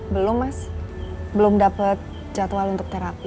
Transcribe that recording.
belum mas belum dapat jadwal untuk terapi